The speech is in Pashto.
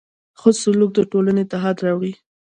ښه سلوک د ټولنې اتحاد راوړي.